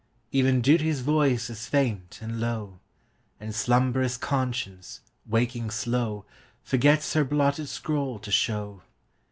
Even Duty's voice is faint and low, And slumberous Conscience, waking slow, Forgets her blotted scroll to show.